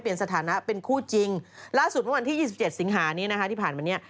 ล่าสุดเมื่อวันที่๒๗สิงหานี้นะฮะที่ผ่านมานี้